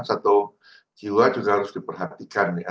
satu jiwa juga harus diperhatikan ya